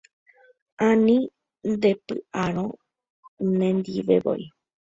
Ani ndepy'arõ nendivevoi